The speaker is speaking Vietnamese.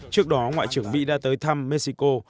trước đó ngoại trưởng mỹ đã tới thăm mexico